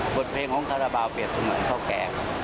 บทเพลงของคาราบาลเปรียบเสมือนข้าวแกง